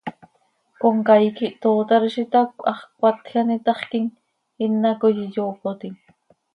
Comcaii quih tootar z itacö, hax cmatj an itaxquim, ina coi iyoopotim.